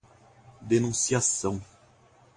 denunciação